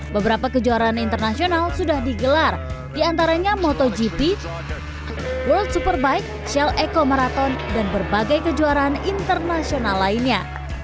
beberapa kejuaraan internasional sudah digelar diantaranya motogp world superbike shell eco marathon dan berbagai kejuaraan internasional lainnya